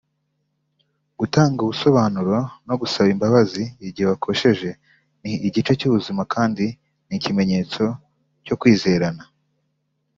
Gutanga ibisobanuro no gusaba imbabazi igihe wakosheje ni igice cy’ubuzima kandi ni ikimenyetso cyo kwizerana